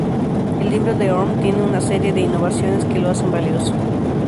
El libro de Orm tiene una serie de innovaciones que lo hacen valioso.